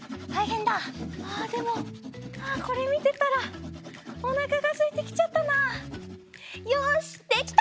あでもこれみてたらおなかがすいてきちゃったなあ。よしできた！